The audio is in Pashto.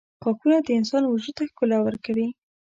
• غاښونه د انسان وجود ته ښکلا ورکوي.